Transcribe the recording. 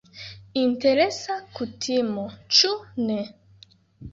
Interesa kutimo, ĉu ne?